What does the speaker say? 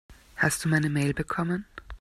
Hast du meine Mail bekommen?